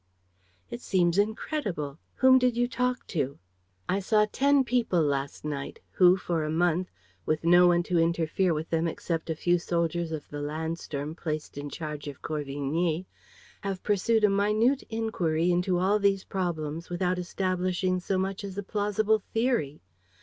"It seems incredible. Whom did you talk to?" "I saw ten people last night who, for a month, with no one to interfere with them except a few soldiers of the Landsturm placed in charge of Corvigny, have pursued a minute inquiry into all these problems, without establishing so much as a plausible theory.